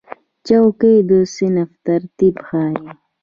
چوکۍ د صنف ترتیب ښیي.